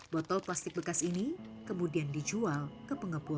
botol plastik bekas ini kemudian dijual ke pengepul